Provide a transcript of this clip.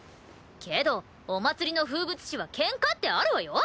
けどお祭りの風物詩は「ケンカ」ってあるわよ！？